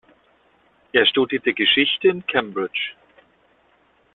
Er studierte Geschichte in Cambridge.